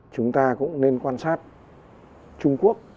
chúng ta cũng nên quan sát trung quốc